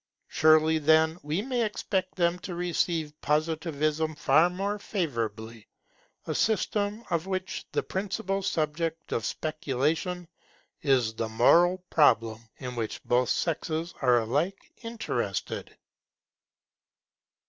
Surely, then, we may expect them to receive Positivism far more favourably, a system of which the principal subject of speculation is the moral problem in which both sexes are alike interested.